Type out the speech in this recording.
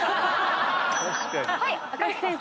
はい赤石先生。